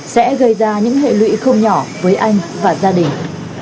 sẽ gây ra những hệ lụy không nhỏ với anh và gia đình